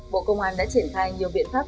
bộ công an đã triển khai nhiều biện pháp